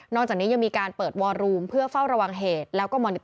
นอกจากนี้ยังมีการเปิดเพื่อเฝ้าระวังเหตุแล้วก็